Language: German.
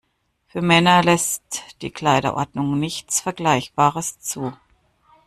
Für Männer lässt die Kleiderordnung nichts Vergleichbares zu.